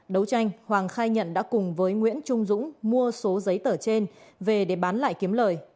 đấu tranh hoàng khai nhận đã cùng với nguyễn trung dũng mua số giấy tờ trên về để bán lại kiếm lời